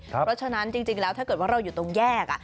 เพราะฉะนั้นจริงแล้วถ้าเกิดว่าเราอยู่ตรงแยก